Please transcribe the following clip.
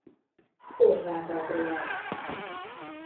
Horváth Adrienn